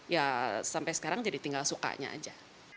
ya sampai sekarang jadi tinggal sukanya aja